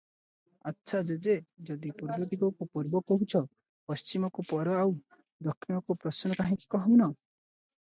ଆଛା ଜେଜେ ଯଦି ପୂର୍ବ ଦିଗକୁ ପୂର୍ବ କହୁଛ, ପଶ୍ଚିମକୁ ପର ଆଉ ଦକ୍ଷିଣ କୁ ପ୍ରଶ୍ନ କାହିଁକି କହୁନ?